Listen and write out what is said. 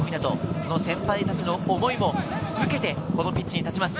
その先輩たちの思いも受けて、このピッチに立ちます。